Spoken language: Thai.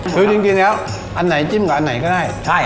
คือจริงแล้วอันไหนจิ้มกับอันไหนก็ได้